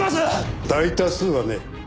大多数はね。